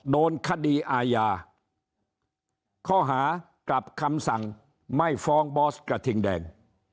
โดนคดีอาญาข้อหากลับคำสั่งไม่ฟ้องบอสกระทิงแดง